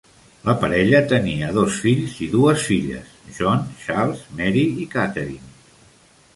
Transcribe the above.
La parella tenia dos fills i dues filles: John, Charles, Mary i Catherine.